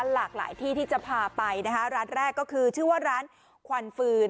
หลากหลายที่ที่จะพาไปนะคะร้านแรกก็คือชื่อว่าร้านควันฟืน